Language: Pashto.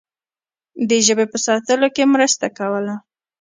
د ژبې په ساتلو کې مرسته کوله.